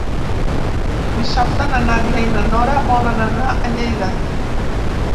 Dissabte na Nàdia i na Nora volen anar a Lleida.